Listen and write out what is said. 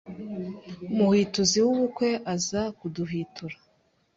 umuhwituzi w’ubukwe aza kuduhwitura